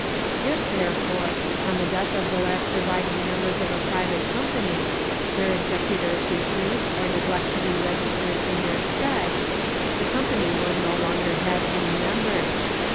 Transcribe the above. If, therefore, on the death of the last sur\dving members of a private company, their executors refuse or neglect to be registered in their stead, the company will no longer have any members.